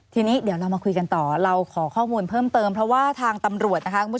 ทีนี้เราก็มาคุยกันต่อเราขอข้อมูลเพิ่มเติมทางตำรวจนะคะ